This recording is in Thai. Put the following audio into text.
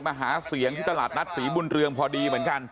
หาเสียงที่ตลาดนัดศรีบุญเรืองพอดีเหมือนกัน